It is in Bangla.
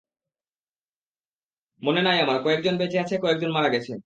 মনে নাই আমার, কয়েকজন বেঁচে আছে, কয়েকজন মারা গেছে।